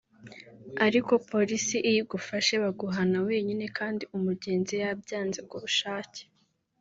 ariko polisi iyo igufashe baguhana wenyine kandi umugenzi yabyanze ku bushake”